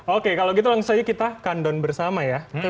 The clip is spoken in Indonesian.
oke kalau gitu langsung saja kita kandon bersama ya